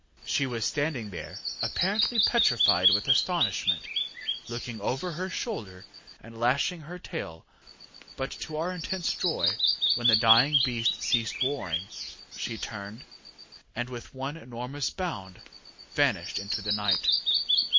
She was standing there apparently petrified with astonishment, looking over her shoulder, and lashing her tail; but to our intense joy, when the dying beast ceased roaring, she turned, and, with one enormous bound, vanished into the night.